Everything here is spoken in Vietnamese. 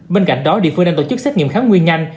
bên cạnh đó địa phương đang tổ chức xét nghiệm kháng nguyên nhanh